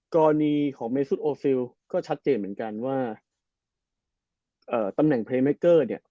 กราณีของเมซูสออซิลถ์ก็ชัดเจนเหมือนกันว่าเอ่อตำแหน่งเนี้ย